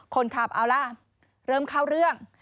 คนขับเอาล่ะเริ่มเข้าเรื่อง